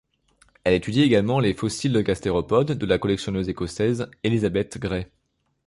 Elle étudie également les fossiles de gastéropodes de la collectionneuse écossaise, Elizabeth Gray.